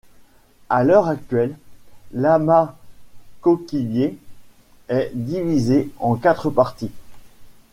À l'heure actuelle, l'amas coquillier est divisé en quatre parties.